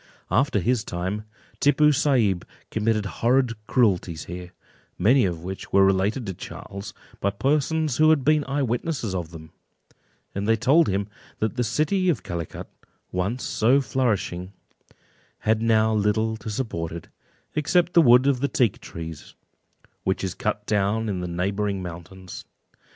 After his time, Tippoo Saib committed horrid cruelties here, many of which were related to Charles, by persons who had been eyewitnesses of them; and they told him that the city of Calicut, once so flourishing, had now little to support it, except the wood of the teak trees, which is cut down in the neighbouring mountains.